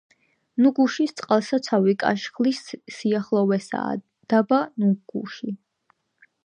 ნუგუშის წყალსაცავის კაშხლის სიახლოვესაა დაბა ნუგუში.